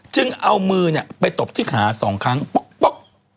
จึงเอามือไปตบที่ขา๒ครั้งป๊อก